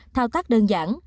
thao tác đơn giản